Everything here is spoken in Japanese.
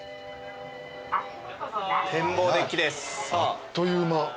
あっという間。